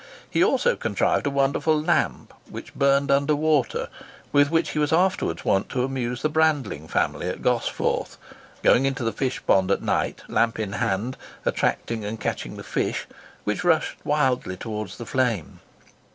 He also contrived a wonderful lamp which burned under water, with which he was afterwards wont to amuse the Brandling family at Gosforth,—going into the fish pond at night, lamp in hand, attracting and catching the fish, which rushed wildly towards the flame.